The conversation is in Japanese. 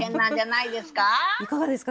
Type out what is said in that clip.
いかがですか？